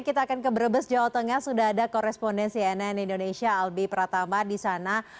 kita akan ke brebes jawa tengah sudah ada korespondensi nn indonesia albi pratama di sana